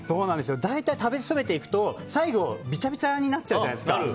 大体、食べ進めていくと最後、びちゃびちゃになっちゃうじゃないですか。